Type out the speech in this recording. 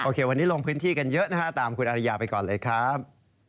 วันนี้ลงพื้นที่กันเยอะนะฮะตามคุณอริยาไปก่อนเลยครับ